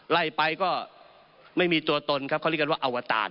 ไล่ไปก็ไม่มีตัวตนครับเขาเรียกกันว่าอวตาร